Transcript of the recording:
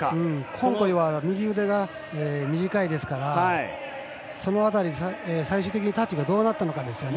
コンコイは右腕が短いですからその辺り、最終的にタッチがどうなったのかですね。